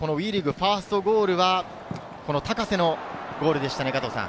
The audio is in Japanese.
ファーストゴールは、高瀬のゴールでした。